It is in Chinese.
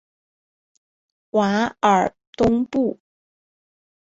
瓦尔东布。